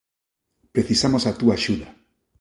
Precisamos a túa axuda.